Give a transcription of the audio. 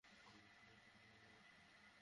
হেই, hero!